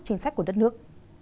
chính sách của đất nước